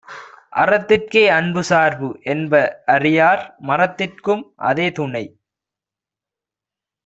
அறத்திற்கே அன்புசார்பு என்ப அறியார்; மறத்திற்கும் அதே துணை.